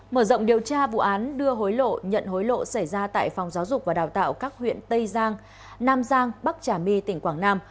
mở rộng điều tra vụ án đưa hối lộ nhận hối lộ xảy ra tại phòng giáo dục và đào tạo các huyện tây giang nam giang bắc trà my tỉnh quảng nam